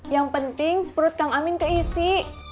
yang penting perut kang amin keisi